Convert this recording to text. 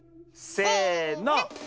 せの。